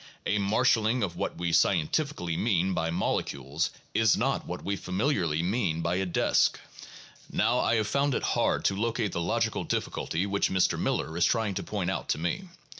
A marshalling of what we scientifically mean by molecules is not what we familiarly mean by a desk." 2 Now I have found it hard to locate the logical difficulty which Mr. Miller is trying to point out to me.